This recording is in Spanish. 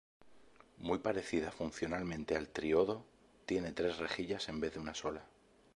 Muy parecida funcionalmente al triodo, tiene tres rejillas en vez de una sola.